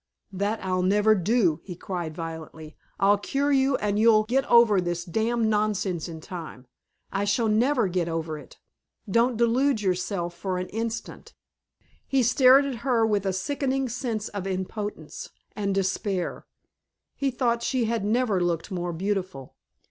"That I'll never do," he cried violently. "I'll cure you and you'll get over this damned nonsense in time." "I never shall get over it. Don't delude yourself for an instant." He stared at her with a sickening sense of impotence and despair. He thought she had never looked more beautiful.